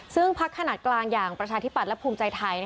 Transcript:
ซึ่งพักขนาดกลางอย่างประชาธิบัตย์และภูมิใจไทย